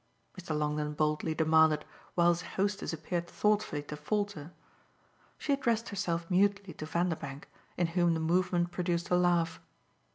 Mr. Longdon boldly demanded while his hostess appeared thoughtfully to falter. She addressed herself mutely to Vanderbank, in whom the movement produced a laugh.